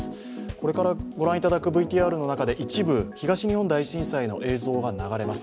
これからご覧いただくＶＴＲの中で、一部、東日本大震災の映像が流れます。